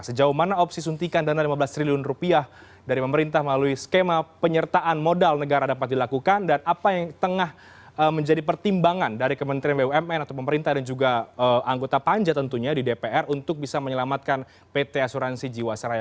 sejauh mana opsi suntikan dana lima belas triliun rupiah dari pemerintah melalui skema penyertaan modal negara dapat dilakukan dan apa yang tengah menjadi pertimbangan dari kementerian bumn atau pemerintah dan juga anggota panja tentunya di dpr untuk bisa menyelamatkan pt asuransi jiwasraya